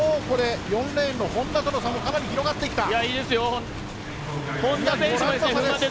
４レーンの本多との差も広がってきた。